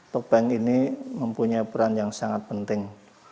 topeng ini mempunyai peran yang sangat penting